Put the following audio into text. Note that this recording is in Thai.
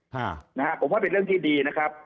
ฮะนะฮะผมว่าเป็นเรื่องที่ดีนะครับ